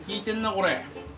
これ。